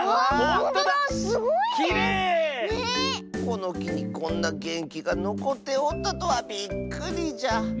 このきにこんなげんきがのこっておったとはびっくりじゃ。